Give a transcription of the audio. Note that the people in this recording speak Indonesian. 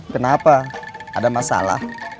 kenapa ada masalah